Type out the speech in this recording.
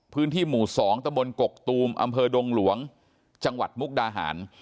พื้นที่หมู่๒ตะบนกกตูมอำเภอดงหลวงจังหวัดมุกดาหาร